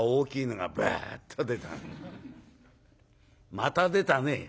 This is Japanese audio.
「また出たね」。